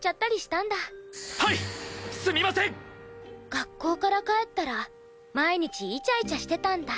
学校から帰ったら毎日イチャイチャしてたんだ？